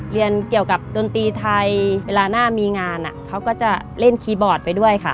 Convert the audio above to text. เรียนเกี่ยวกับดนตรีไทยเวลาหน้ามีงานเขาก็จะเล่นคีย์บอร์ดไปด้วยค่ะ